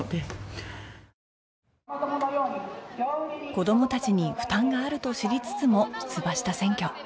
子どもたちに負担があると知りつつも出馬した選挙